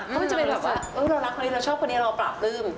เพราะมันจะเป็นแบบว่าเรารักคนนี้เราชอบคนนี้เราปราบปลื้ม